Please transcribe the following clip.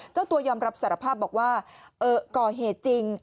เจ้าตัวยอมรับสารภาพบอกว่าก่อเหตุจริง